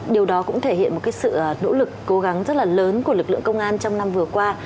điều đó cũng thể hiện một sự nỗ lực cố gắng rất là lớn của lực lượng công an trong năm vừa qua